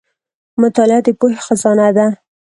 • مطالعه د پوهې خزانه ده.